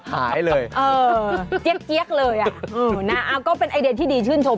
หายเลยเออเจี๊ยกเลยอ่ะนะก็เป็นไอเดียที่ดีชื่นชม